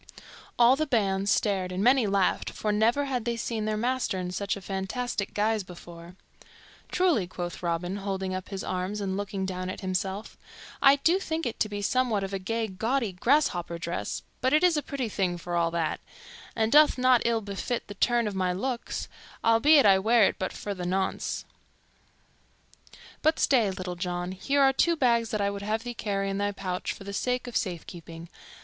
All the band stared and many laughed, for never had they seen their master in such a fantastic guise before. "Truly," quoth Robin, holding up his arms and looking down at himself, "I do think it be somewhat of a gay, gaudy, grasshopper dress; but it is a pretty thing for all that, and doth not ill befit the turn of my looks, albeit I wear it but for the nonce. But stay, Little John, here are two bags that I would have thee carry in thy pouch for the sake of safekeeping.